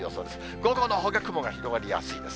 午後のほうが雲が広がりやすいです。